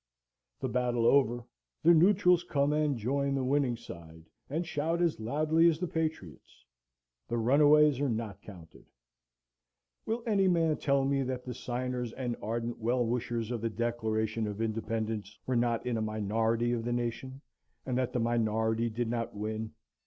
The battle over, the neutrals come and join the winning side, and shout as loudly as the patriots. The runaways are not counted. Will any man tell me that the signers and ardent well wishers of the Declaration of Independence were not in a minority of the nation, and that the minority did not win?